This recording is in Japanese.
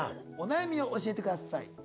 お悩みを教えてください。